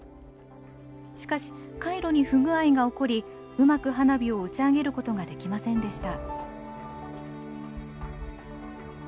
しかし回路に不具合が起こりうまく花火を打ち上げることができませんでした。